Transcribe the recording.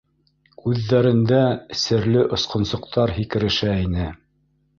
Күҙҙәрендә серле осҡонсоҡтар һикерешә ине